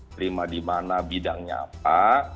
terima di mana bidangnya apa